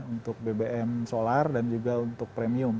untuk bbm solar dan juga untuk premium